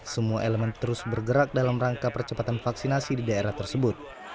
semua elemen terus bergerak dalam rangka percepatan vaksinasi di daerah tersebut